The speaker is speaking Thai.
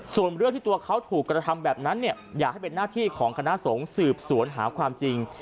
ส่วนเรื่องที่ตัวเขาถูกกระทำแบบนั้นเนี่ยอยากให้เป็นหน้าที่ของคณะสงฆ์สืบสวนหาความจริง